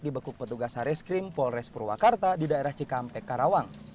dibekuk petugas haris krim polres purwakarta di daerah cikampek karawang